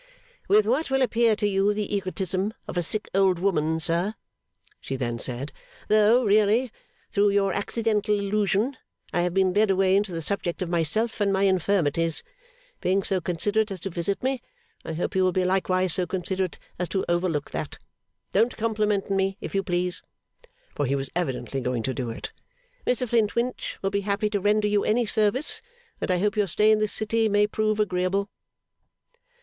'With what will appear to you the egotism of a sick old woman, sir,' she then said, 'though really through your accidental allusion, I have been led away into the subject of myself and my infirmities. Being so considerate as to visit me, I hope you will be likewise so considerate as to overlook that. Don't compliment me, if you please.' For he was evidently going to do it. 'Mr Flintwinch will be happy to render you any service, and I hope your stay in this city may prove agreeable.